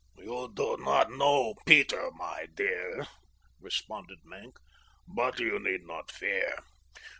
"You do not know Peter, my dear," responded Maenck. "But you need not fear.